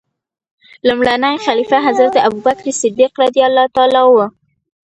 لومړنی خلیفه حضرت ابوبکر صدیق رض و.